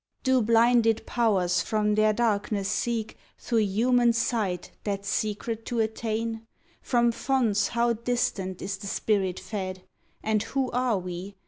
Do blinded powers from their darkness seek. Thro human sight, that secret to attain*? From fonts how distant is the spirit fed? And who are we?